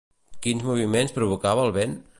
Quins moviments provocava el vent?